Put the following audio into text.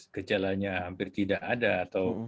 gejalanya hampir tidak ada atau